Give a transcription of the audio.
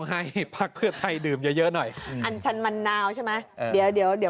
กินไปทั้งวันเลย